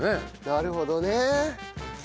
なるほどね。